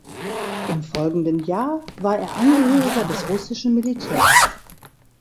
Im folgenden Jahr war er Angehöriger des russischen Militärs.